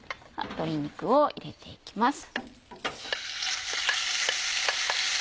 鶏肉を入れて行きます。